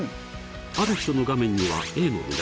ある人の画面にはＡの見出しを。